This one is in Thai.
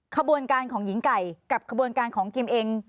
ขบวนการของหญิงไก่กับขบวนการของกิมเอง